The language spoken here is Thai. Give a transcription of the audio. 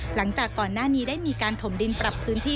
หลังจากก่อนหน้านี้ได้มีการถมดินปรับพื้นที่